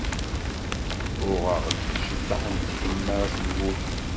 Uɣeɣ-d ciṭṭaḥ n tkemmart d wudi.